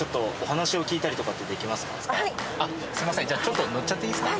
じゃあ乗っちゃっていいですか？